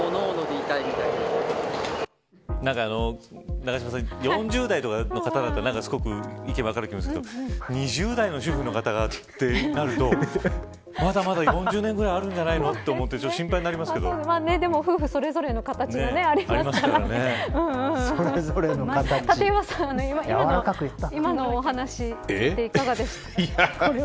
永島さん４０代とかの方だと意見が分かる気もするんですけど２０代の主婦の方が、となるとまだまだ４０年ぐらいあるんじゃないのと思ってでも、夫婦それぞれの形がありますから立岩さん、今の話いかがですか。